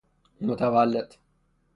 متولد